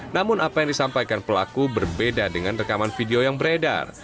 namun apa yang disampaikan pelaku berbeda dengan rekaman video yang beredar